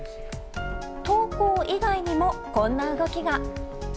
投稿以外にもこんな動きが。